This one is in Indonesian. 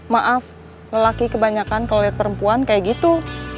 maaf lelaki kebanyakan kalau lihat perempuan kayak gitu